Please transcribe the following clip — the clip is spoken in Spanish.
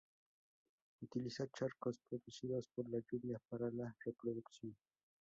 Utiliza charcos producidos por la lluvia para la reproducción.